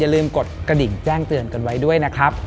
ลืมกดกระดิ่งแจ้งเตือนกันไว้ด้วยนะครับ